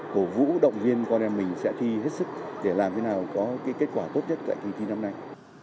cổ vũ động viên con em mình sẽ thi hết sức để làm thế nào có kết quả tốt nhất tại kỳ thi năm nay